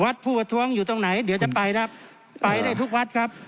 ผู้ประท้วงอยู่ตรงไหนเดี๋ยวจะไปครับไปได้ทุกวัดครับ